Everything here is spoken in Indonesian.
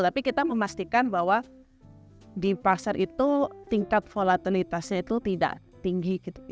tapi kita memastikan bahwa di pasar itu tingkat volatilitasnya itu tidak tinggi